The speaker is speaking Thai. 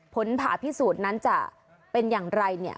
ผลผ่าพิสูจน์นั้นจะเป็นอย่างไรเนี่ย